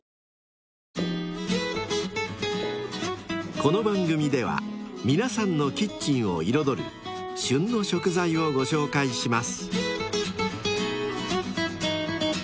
［この番組では皆さんのキッチンを彩る「旬の食材」をご紹介します］